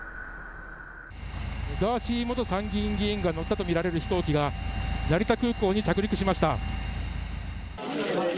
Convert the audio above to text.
ガーシー元参議院議員が乗ったと見られる飛行機が成田空港に着陸しました。